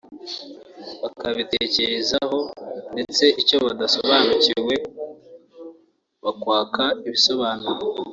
bakabitekerezaho ndetse icyo badasobanukiwe bakwaka ibisobanuro